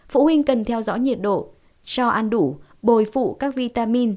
phụ huynh cần theo dõi nhiệt độ cho ăn đủ bồi phụ các vitamin